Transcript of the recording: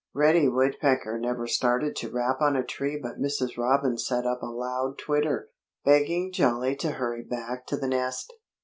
Reddy Woodpecker never started to rap on a tree but Mrs. Robin set up a loud twitter, begging Jolly to hurry back to the nest.